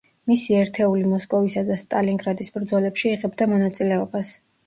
მისი ერთეული მოსკოვისა და სტალინგრადის ბრძოლებში იღებდა მონაწილეობას.